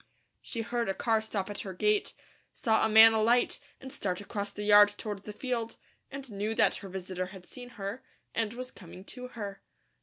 She heard a car stop at her gate, saw a man alight and start across the yard toward the field, and knew that her visitor had seen her, and was coming to her.